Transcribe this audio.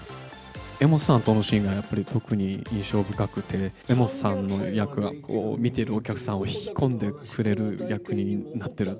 柄本さんとのシーンがやっぱり特に印象深くて、柄本さんの役が、見てるお客さんを引き込んでくれる役になってる。